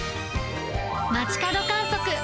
街角観測。